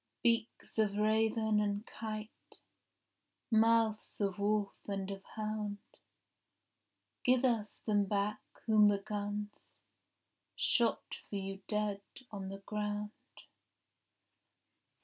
Beaks of raven and kite, Mouths of wolf and of hound, Give us them back whom the guns Shot for you dead on the ground.